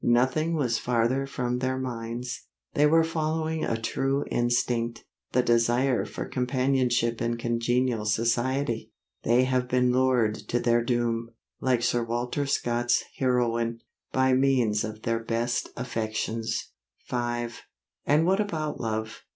Nothing was farther from their minds. They were following a true instinct the desire for companionship and congenial society. They have been lured to their doom, like Sir Walter Scott's heroine, by means of their best affections. V And what about Love?